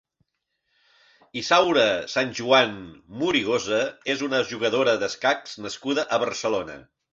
Isaura Sanjuan Morigosa és una jugadora d'escacs nascuda a Barcelona.